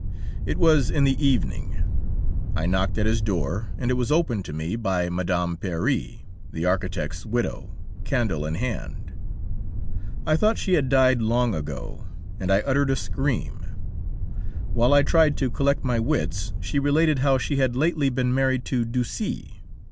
It was in the evening; I knocked at his door, and it was opened to me by Mme. Peyre, the architect's widow, candle in hand. I thought she had died long ago, and I uttered a scream. While I tried to collect my wits she related how she had lately been married to Ducis.